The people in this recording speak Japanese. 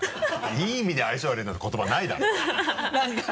いい意味で相性悪いなんて言葉ないだろうよ。